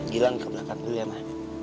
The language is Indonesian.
gilang ke belakang dulu ya ma